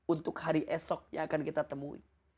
untuk hari esok yang akan kita temui